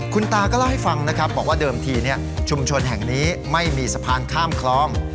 คุณตาก็เล่าให้ฟังนะครับบอกว่าเดิมทีชุมชนแห่งนี้ไม่มีสะพานข้ามคลอง